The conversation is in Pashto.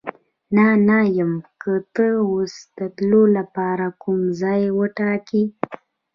نه، نه یم، که ته اوس د تلو لپاره کوم ځای وټاکې.